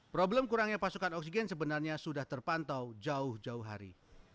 problem kurangnya pasokan oksigen sebenarnya sudah terpantau jauh jauh hari